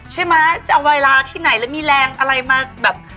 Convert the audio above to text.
ใช่ไหมจะเอาเวลาที่ไหนแล้วมีแรงอะไรมาแบบ